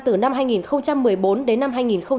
từ năm hai nghìn một mươi bốn đến năm hai nghìn một mươi tám